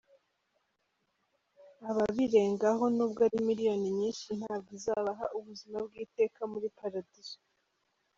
Ababirengaho, nubwo ari miliyoni nyinshi, ntabwo izabaha ubuzima bw’iteka muli paradizo.